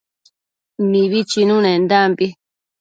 Mibi chinunendambi